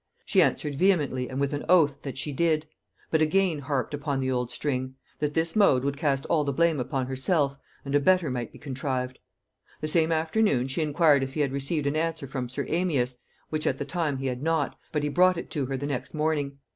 She answered vehemently and with an oath, that she did; but again harped upon the old string; that this mode would cast all the blame upon herself, and a better might be contrived. The same afternoon she inquired if he had received an answer from sir Amias; which at the time he had not, but he brought it to her the next morning.